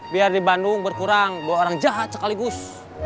biar di bandung berkurang dua orang jahat sekaligus